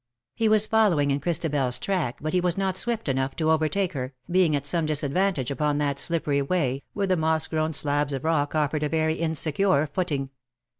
^^ He was following in Christabel^s track, but he was not swift enough to overtake her, being at some disadvantage upon that slippery way, where the moss grown slabs of rock offered a very insecure footing.